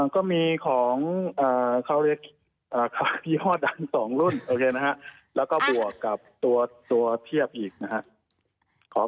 ก็มีของข้าวเรียกยอดอัน๒รุ่นแล้วก็บวกกับตัวเทียบอีกนะครับ